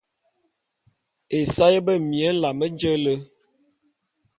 Esaé bemie nlame nje le.